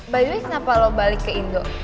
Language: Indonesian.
by the way kenapa lo balik ke indo